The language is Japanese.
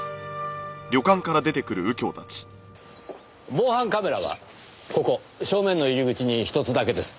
防犯カメラはここ正面の入り口に１つだけです。